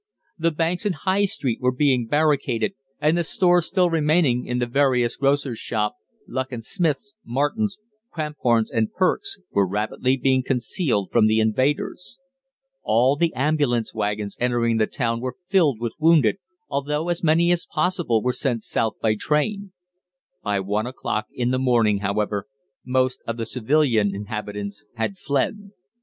The banks in High Street were being barricaded, and the stores still remaining in the various grocers' shops, Luckin Smith's, Martin's, Cramphorn's, and Pearke's, were rapidly being concealed from the invaders. All the ambulance waggons entering the town were filled with wounded, although as many as possible were sent south by train. By one o'clock in the morning, however, most of the civilian inhabitants had fled.